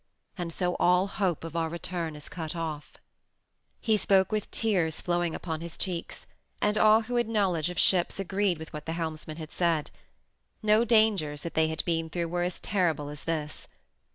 And so all hope of our return is cut off." He spoke with tears flowing upon his cheeks, and all who had knowledge of ships agreed with what the helmsman had said. No dangers that they had been through were as terrible as this.